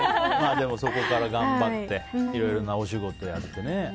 でも、そこから頑張っていろいろなお仕事やってね。